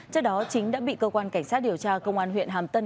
trước đó chính đã bị cơ quan cảnh sát điều tra công an huyện hàm tân